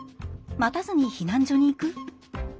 待たずに避難所に行く？